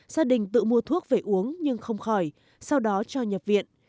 gia đình tự mua thuốc về uống nhưng không khỏi sau đó cho nhập viện